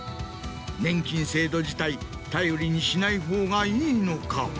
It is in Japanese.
年金制度自体頼りにしないほうがいいのか？